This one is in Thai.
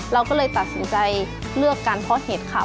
เราก็เลยตัดสินใจเลือกการเพาะเห็ดค่ะ